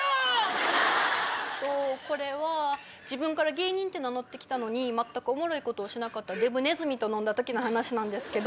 えっとこれは自分から芸人って名乗ったのに全くおもろいことをしなかったデブネズミと飲んだ時の話なんですけど。